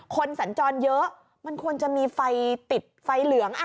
สัญจรเยอะมันควรจะมีไฟติดไฟเหลือง